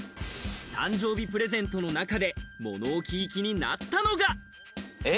誕生日プレゼントの中で物置き行きになったのが。